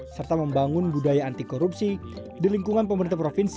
serta membangun budaya anti korupsi di lingkungan pemerintah provinsi